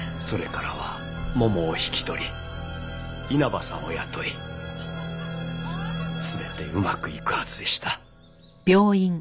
それからはももを引き取り稲葉さんを雇い全てうまくいくはずでした。